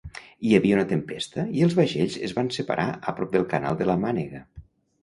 Hi havia una tempesta i els vaixells es van separar a prop del canal de la Mànega.